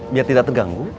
biar tidak terganggu